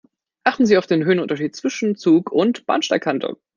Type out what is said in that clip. Achten Sie auf den Höhenunterschied zwischen Zug und Bahnsteigkante.